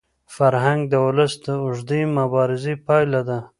فرهنګ د ولس د اوږدې مبارزې پایله ده.